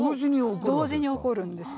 同時に起こるんですね。